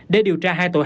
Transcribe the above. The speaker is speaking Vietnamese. để điều tra hai tội hạng